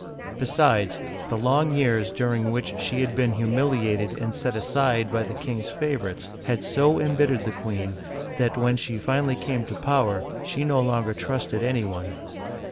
Besides, the long years during which she had been humiliated and set aside by the king's favorites had so embittered the queen that, when she finally came to power, she no longer trusted any one.